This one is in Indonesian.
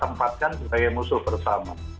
tempatkan sebagai musuh bersama